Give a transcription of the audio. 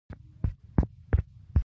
• اور د تودوخې او نور لومړنۍ وسیله وه.